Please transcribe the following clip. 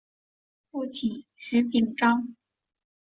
父亲涂秉彰。